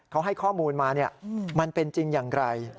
เขาให้ข้อมูลมามันเป็นจริงอย่างไร